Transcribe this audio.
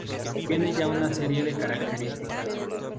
tiene ya una serie de características